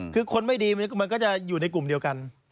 คือคนไม่ดีมันก็จะอยู่ในกลุ่มเดียวกัน